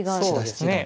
そうですね。